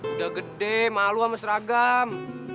udah gede malu sama seragam